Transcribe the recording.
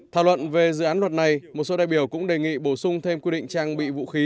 thảo luận về dự án luật này một số đại biểu cũng đề nghị bổ sung thêm quy định trang bị vũ khí